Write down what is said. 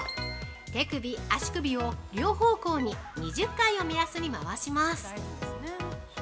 手首足首を両方向に２０回を目安に回します。